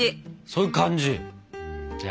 そういう感じ。